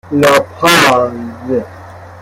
لاپاز